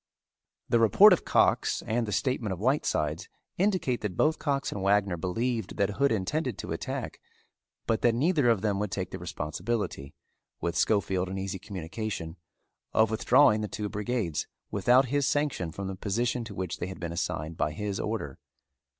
The report of Cox and the statement of Whitesides indicate that both Cox and Wagner believed that Hood intended to attack but that neither of them would take the responsibility, with Schofield in easy communication, of withdrawing the two brigades without his sanction from the position to which they had been assigned by his order.